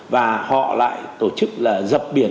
và họ lại tổ chức là dập biển